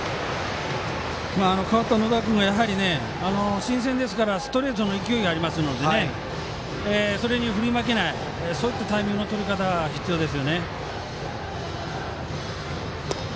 代わった野田君も新鮮ですからストレートの勢いがあるのでそれに振り負けないタイミングのとり方が必要です。